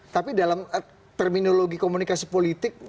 tapi dalam terminologi komunikasi politik